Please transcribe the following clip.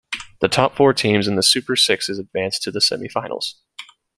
The top four teams in the Super Sixes advanced to the semi-finals.